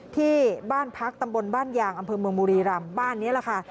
ที่บ้านพักตำบลบ้านยางอำเภอเมืองบุรีรำบ้านนี้แหละค่ะ